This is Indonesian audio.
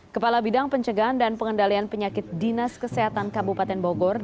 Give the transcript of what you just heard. kepala bidang pencegahan dan pengendalian penyakit dinas kesehatan kabupaten bogor